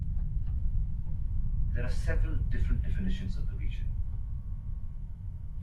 There are several different definitions of the region.